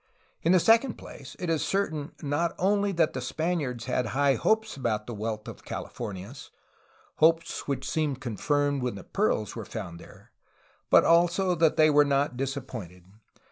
In the second place, it is certain not only that the Spaniards had high hopes about the wealth of the Californias, — ^hopes which seemed con firmed when pearls were found there, — but also that they were not disappointed.